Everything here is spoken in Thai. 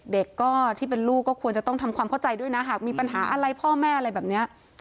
เด็กก็ที่เป็นลูกก็ควรจะต้องทำความเข้าใจด้วยนะหากมีปัญหาอะไรพ่อแม่อะไรแบบนี้